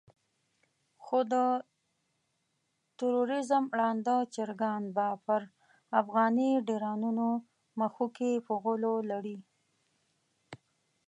خو د تروريزم ړانده چرګان به پر افغاني ډيرانونو مښوکې په غولو لړي.